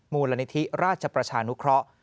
มูลนิธิราชประชานุเคราะห์